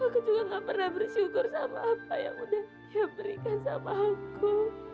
aku juga gak pernah bersyukur sama apa yang udah dia berikan sama aku